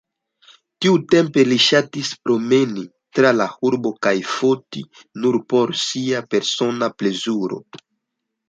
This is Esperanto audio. Tiutempe li ŝatis promeni tra la urbo kaj foti nur por sia persona plezuro.